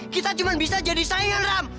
kita cuma bisa jadi saya ram